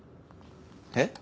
えっ？